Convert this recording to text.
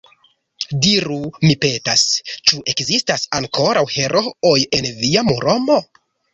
Diru, mi petas, ĉu ekzistas ankoraŭ herooj en via Muromo?